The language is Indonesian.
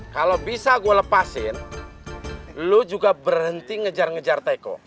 kalau bisa gue lepasin lo juga berhenti ngejar ngejar teko